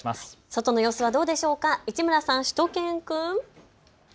外の様子はどうでしょうか、市村さん、しゅと犬くん。